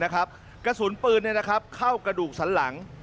กระสุนปืนเข้ากระดูกสันหลัง